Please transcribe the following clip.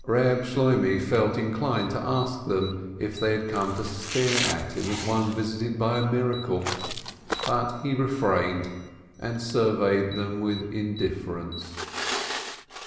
Eeb Shloimeh felt inclined to ask them if they had come to stare at him as one visited by a miracle, but he refrained, and surveyed them with indifference.